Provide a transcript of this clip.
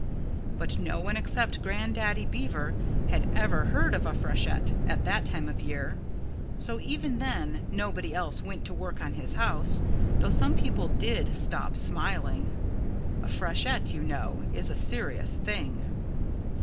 But no one except Grandaddy Beaver had ever heard of a freshet at that time of year. So even then nobody else went to work on his house, though some people did stop smiling. A freshet, you know, is a serious thing.